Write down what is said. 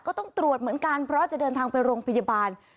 ก็ต้องตรวจเหมือนกันเพราะจะเดินทางไปโรงพยาบาล